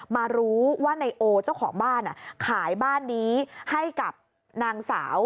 มารู้ว่านายโอเจ้าของบ้านขายบ้านนี้ให้กับนางสาว